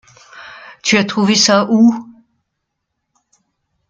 Tu as trouvé ça où ?